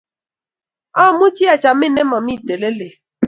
Amuchi achamin ne mami telelet